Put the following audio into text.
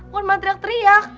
buat matriak teriak